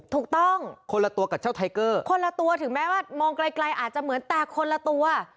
ถูกต้องคนละตัวกับเจ้าไทเกอร์คนละตัวถึงแม้ว่ามองไกลอาจจะเหมือนแต่คนละตัว